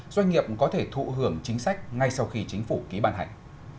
doanh nghiệp có thể thụ hưởng chính sách ngay sau khi chính phủ ký ban hành